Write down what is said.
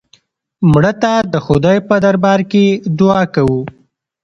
مړه ته د خدای په دربار کې دعا کوو